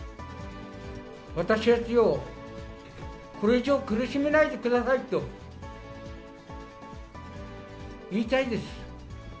私たちを、これ以上苦しめないでくださいと、言いたいです。